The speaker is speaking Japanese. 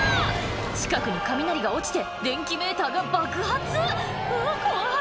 近くに雷が落ちて電気メーターが爆発「うわ怖っ！